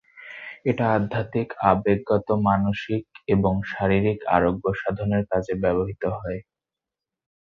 এটা আধ্যাত্মিক, আবেগগত, মানসিক এবং শারীরিক আরোগ্যসাধনের কাজে ব্যবহৃত হয়।